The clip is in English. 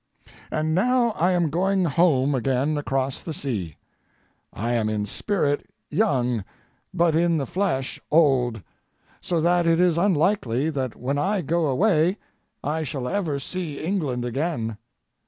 And now I am going home again across the sea. I am in spirit young but in the flesh old, so that it is unlikely that when I go away I shall ever see England again.